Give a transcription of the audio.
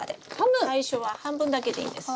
最初は半分だけでいいんです。